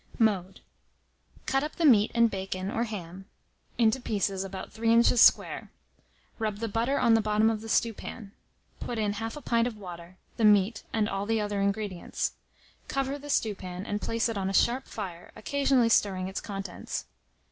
Mode. Cut up the meat and bacon or ham into pieces about 3 inches square; rub the butter on the bottom of the stewpan; put in 1/2 a pint of water, the meat, and all the other ingredients. Cover the stewpan, and place it on a sharp fire, occasionally stirring its contents.